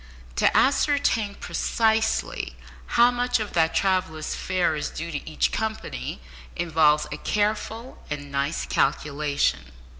To ascertain precisely how much of that traveller's fare is due to each company involves a careful and nice calculation.